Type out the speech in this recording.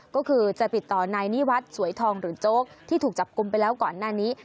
ก็คือจะติดต่อนายนิวัฒน์สวยทองหรือโจ๊กที่ถูกจับกลุ่มไปแล้วก่อนหน้านี้